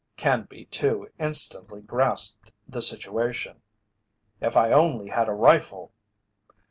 Canby, too, instantly grasped the situation. "If I only had a rifle!"